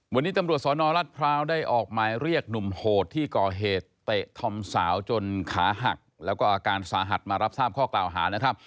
วันนี้ตำรวจสนรัฐพร้าวได้ออกหมายเรียกหนุ่มโหดที่ก่อเหตุเตะธอมสาวจนขาหักแล้วก็อาการสาหัสมารับทราบข้อกล่าวหานะครับ